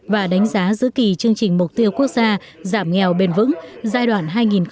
và đánh giá giữ kỳ chương trình mục tiêu quốc gia giảm nghèo bền vững giai đoạn hai nghìn một mươi sáu hai nghìn hai mươi